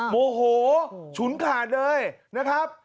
โมโหฉุนขาดเลยนะครับ